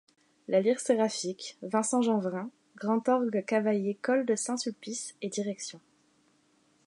La Lyre Séraphique, Vincent Genvrin, grand orgue Cavaillé-Col de Saint-Sulpice et direction.